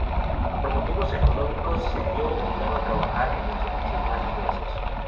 Por motivos económicos, se vio obligado a trabajar en los oficios más diversos.